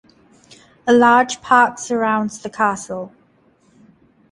A large park surrounds the castle.